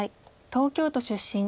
東京都出身。